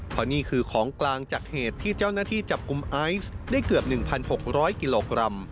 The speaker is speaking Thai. เพราะนี่คือของกลางจากเหตุที่เจ้าหน้าที่จับกลุ่มไอซ์ได้เกือบ๑๖๐๐กิโลกรัม